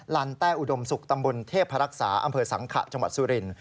ันแต้อุดมศุกร์ตำบลเทพรักษาอำเภอสังขะจังหวัดสุรินท